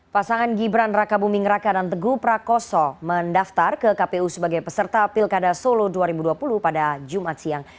pasangan gibran raka buming raka dan teguh prakoso mendaftar ke kpu sebagai peserta pilkada solo dua ribu dua puluh pada jumat siang